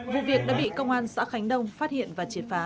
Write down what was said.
vụ việc đã bị công an xã khánh đông phát hiện và triệt phá